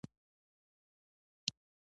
ویل به ملا جان زه چې دا دومره اذانونه کوم